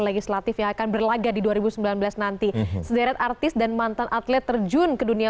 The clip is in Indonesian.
legislatif yang akan berlaga di dua ribu sembilan belas nanti sederet artis dan mantan atlet terjun ke dunia